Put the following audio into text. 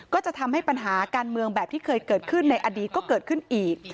ก็จะทำให้ปัญหาการเมืองแบบที่เคยเกิดขึ้นในอดีตก็เกิดขึ้นอีก